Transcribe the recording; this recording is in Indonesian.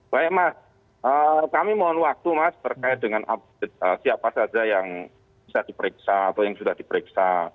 baik mas kami mohon waktu mas berkait dengan update siapa saja yang bisa diperiksa atau yang sudah diperiksa